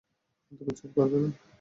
তুমি চুপ করবে না?